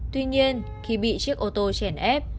tuy nhiên khi bị chiếc ô tô chèn ép